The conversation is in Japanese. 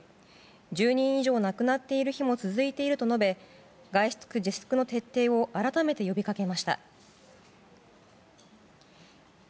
１０人以上亡くなっている日も続いていると述べ外出自粛の徹底を改めて呼びかけました。